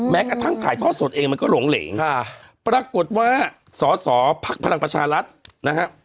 แม้กระทั่งถ่ายทอดสดเองมันก็หลงเล๋งค่ะปรากฏว่าสศกภักดิ์พรรรชารัฐนะฮะ